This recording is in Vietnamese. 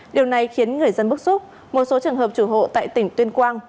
điều này khiến người dân bức xúc một số trường hợp chủ hộ tại tỉnh tuyên quang